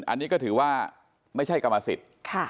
อันนี้ก็ถือว่าไม่ใช่กรรมสิทธิ์